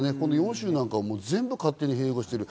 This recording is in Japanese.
４州なんかは全部勝手に併合している。